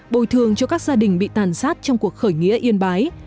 bồi thường cho các gia đình bị tàn sát trong cuộc khởi nghĩa yên bái